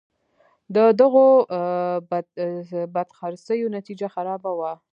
د دغو بدخرڅیو نتیجه خرابه وه.